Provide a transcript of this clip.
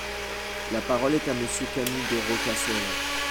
La parole est à Monsieur Camille de Rocca Serra.